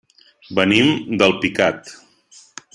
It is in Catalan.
Venim d'Alpicat.